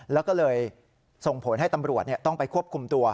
แล้วก็เลยส่งผลให้ตำรวจต้องไปควบคุมตัว